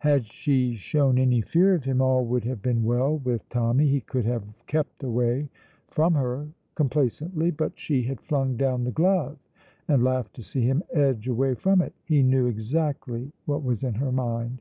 Had she shown any fear of him all would have been well with Tommy; he could have kept away from her complacently. But she had flung down the glove, and laughed to see him edge away from it. He knew exactly what was in her mind.